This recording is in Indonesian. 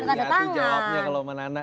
jadi kita ada tangan